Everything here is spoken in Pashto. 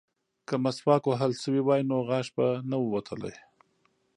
که مسواک وهل شوی وای نو غاښ به نه ووتلی.